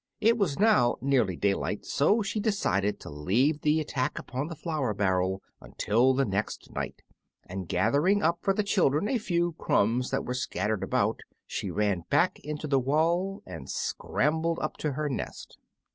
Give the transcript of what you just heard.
It was now nearly daylight, so she decided to leave the attack upon the flour barrel until the next night; and gathering up for the children a few crumbs that were scattered about, she ran back into the wall and scrambled up to her nest.